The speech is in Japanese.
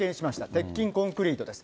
鉄筋コンクリートです。